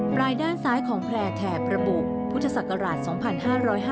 ปลายด้านซ้ายของแผลแถบระบุพุทธศักราช๒๕๕๙